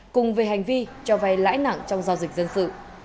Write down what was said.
cùng về hành vi cho vay lãi nặng trong giao dịch dân sự